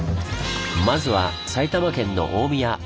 まずは埼玉県の大宮！